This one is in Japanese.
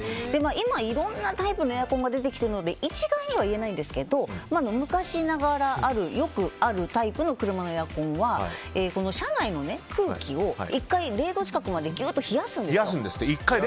今、いろんなタイプのエアコンが出てきているので一概には言えないんですが昔ながらあるよくあるタイプの車のエアコンは車内の空気を１回、０度近くまでギュッと冷やすんです。